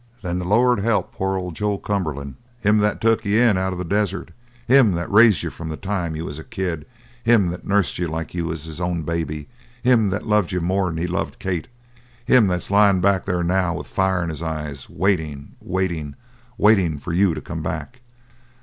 "Then the Lord help poor old Joe Cumberland him that took you in out of the desert him that raised you from the time you was a kid him that nursed you like you was his own baby him that loved you more'n he loved Kate him that's lyin' back there now with fire in his eyes, waitin', waitin', waitin', for you to come back.